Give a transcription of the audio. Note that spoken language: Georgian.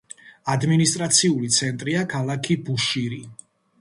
ადმინისტრაციული ცენტრია ქალაქი ბუშირი.